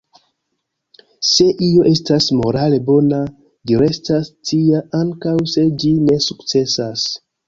Se io estas morale bona, ĝi restas tia ankaŭ se ĝi ne sukcesas.